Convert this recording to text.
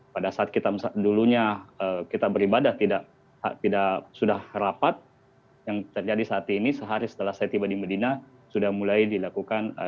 pada saat kita dulunya kita beribadah tidak sudah rapat yang terjadi saat ini sehari setelah saya tiba di medina sudah mulai dilakukan